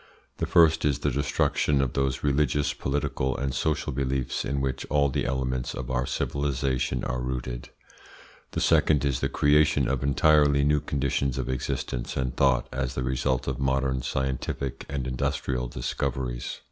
The first is the destruction of those religious, political, and social beliefs in which all the elements of our civilisation are rooted. The second is the creation of entirely new conditions of existence and thought as the result of modern scientific and industrial discoveries.